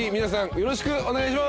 よろしくお願いします。